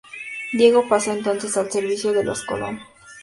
Diego pasó entonces al servicio de los Colón.